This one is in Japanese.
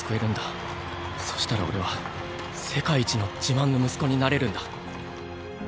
そしたら俺は世界一の自慢の息子になれるんだ。